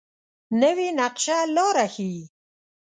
نوې نقشه لاره ښيي